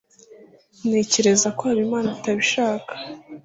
ntekereza ko habimana atabishaka